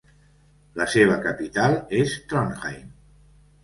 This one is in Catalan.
La seva capital és Trondheim.